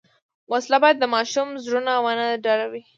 وسله باید د ماشوم زړونه ونه ډاروي